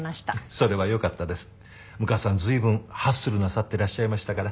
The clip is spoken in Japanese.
随分ハッスルなさってらっしゃいましたから。